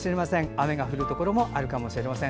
雨が降るところもあるかもしれません。